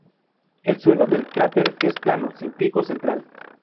El suelo del cráter es plano, sin pico central.